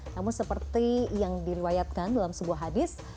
namun seperti yang diriwayatkan dalam sebuah hadis